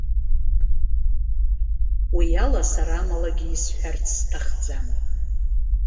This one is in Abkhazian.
Уи ала, сара амалагьы исҳәарц сҭахӡам.